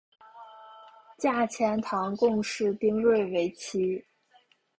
嫁钱塘贡士丁睿为妻。